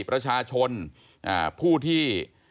ประชาชนผู้ที่